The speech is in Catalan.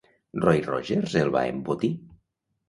Roy Rogers el va embotir!